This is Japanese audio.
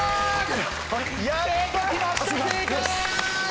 やっときました正解！